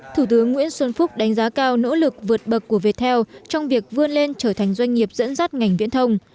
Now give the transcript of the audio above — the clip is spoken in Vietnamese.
thủ tướng nguyễn xuân phúc đánh giá cao nỗ lực vượt bậc của viettel trong việc vươn lên trở thành doanh nghiệp dẫn dắt ngành viễn thông